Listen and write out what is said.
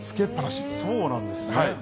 そうなんですね。